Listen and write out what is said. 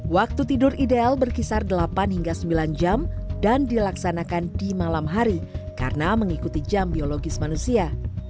waktu tidur ideal berkisar delapan hingga sembilan jam dan dilaksanakan di malam hari karena mengikuti jam biologis manusia